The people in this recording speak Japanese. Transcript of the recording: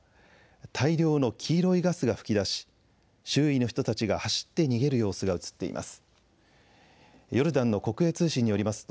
大量の黄色いガスが吹き出し、周囲の人たちが走って逃げる様子が写っています。